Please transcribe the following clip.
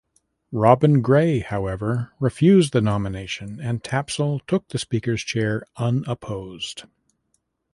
Robin Gray, however, refused the nomination, and Tapsell took the Speaker's chair unopposed.